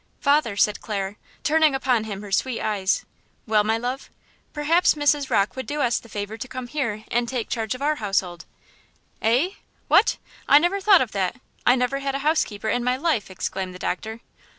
"Father," said Clara, turning upon him her sweet eyes. "Well, my love?" "Perhaps Mrs. Rocke would do us the favor to come here and take charge of our household." "Eh! What? I never thought of that! I never had a housekeeper in my life!" exclaimed the doctor.